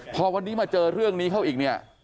พอวันนี้มาเจอเรื่องนี้เข้าอีกเนี่ย